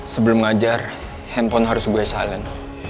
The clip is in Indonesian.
sebelum ngajar handphone harus gue silent